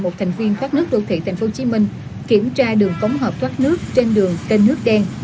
một thành viên thoát nước đô thị tp hcm kiểm tra đường ống hợp thoát nước trên đường kênh nước đen